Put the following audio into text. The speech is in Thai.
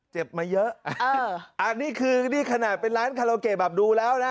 เจ็บมาเยอะอันนี้คือนี่ขนาดเป็นร้านคาราโอเกะแบบดูแล้วนะ